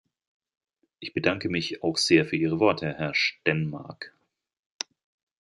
Ich bedanke mich auch sehr für Ihre Worte, Herr Stenmarck.